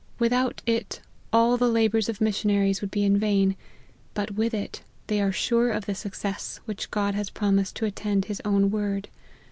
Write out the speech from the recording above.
Without it all the labours of mission aries would be in vain ; but with it, they are sure of the success which God has promised to attend his own word.